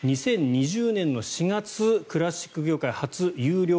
２０２０年の４月クラシック業界初有料